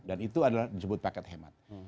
dan itu disebut paket hemat